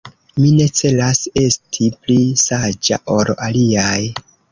Mi ne celas esti pli saĝa ol aliaj.